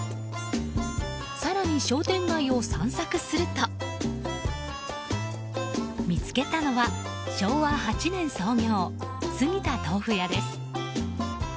更に商店街を散策すると見つけたのは、昭和８年創業杉田とうふ屋です。